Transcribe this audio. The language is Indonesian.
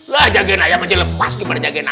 lah jagain ayam aja lepas gimana jagain anak